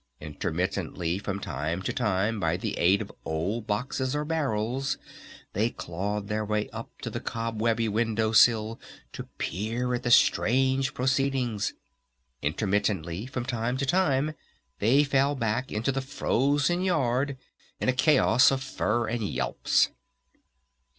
Intermittently from time to time by the aid of old boxes or barrels they clawed their way up to the cobwebby window sill to peer at the strange proceedings. Intermittently from time to time they fell back into the frozen yard in a chaos of fur and yelps.